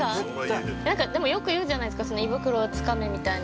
◆よく言うじゃないですか、胃袋をつかめみたいな。